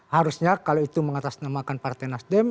harusnya kalau itu mengatasnamakan partai nasdem